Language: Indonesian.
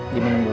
bimo nunggu dulu